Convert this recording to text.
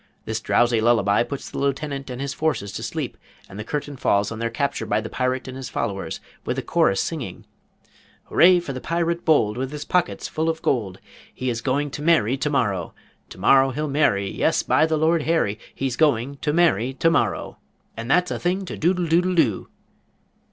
This drowsy lullaby puts the Lieutenant and his forces to sleep and the curtain falls on their capture by the Pirate and his followers, with the chorus singing: "Hooray for the Pirate bold, With his pockets full of gold, He's going to marry to morrow. To morrow he'll marry, Yes, by the Lord Harry, He's go ing to marry to mor row! And that's a thing to doodle doodle doo.